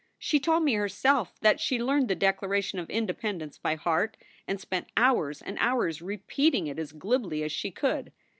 She told me herself that she learned the Declaration of Independence by heart and spent hours and hours repeating it. as glibly as she could.